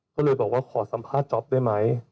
ก็เลยบอกว่าขอสัมภาษณ์จ๊อปได้ไหม